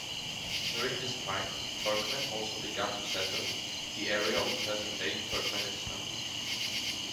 During this time, Turkmen also began to settle the area of present-day Turkmenistan.